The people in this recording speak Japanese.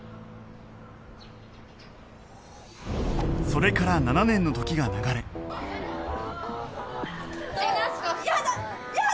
それから７年の時が流れやだ！